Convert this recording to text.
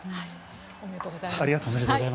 おめでとうございます。